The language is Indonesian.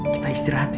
kita istirahat ya